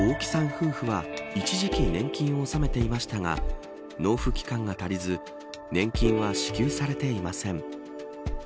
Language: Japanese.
夫婦は一時期、年金を納めていましたが納付期間が足りず年金は支給されていません。